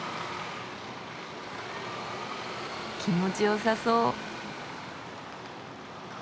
気持ちよさそう。